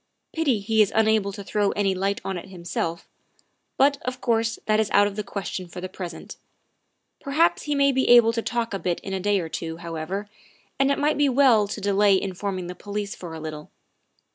Pity he is unable to throw any light on it himself, but, of course, that is out of the question for the present ; perhaps he may be able to talk a bit in a day or two, however, and it might be well to delay informing the police for a little.